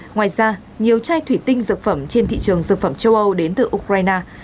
ngoài ra nhiều chai thủy tinh dược phẩm trên thị trường dược phẩm châu âu đến từ ukraine